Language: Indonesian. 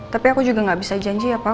tapi aku juga gak bisa janji ya pak